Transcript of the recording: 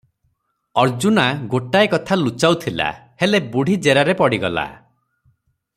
ଅର୍ଜୁନା ଗୋଟାଏ କଥା ଲୁଚାଉଥିଲା - ହେଲେ, ବୁଢ଼ୀ ଜେରାରେ ପଡ଼ିଗଲା ।